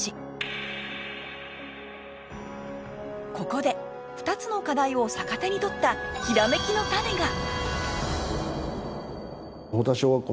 ここで２つの課題を逆手に取ったヒラメキのタネが！